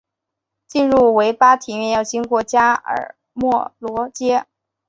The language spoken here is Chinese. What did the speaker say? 进入维巴庭园要经过加尔默罗街。